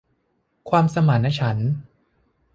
ความสมานฉันท์